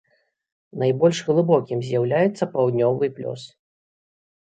Найбольш глыбокім з'яўляецца паўднёвы плёс.